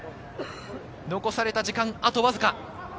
残された時間、あとわずか。